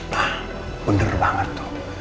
hah bener banget tuh